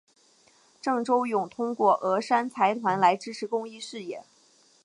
郑周永通过峨山财团来支持公益事业。